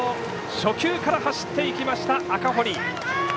初球から走っていきました赤堀。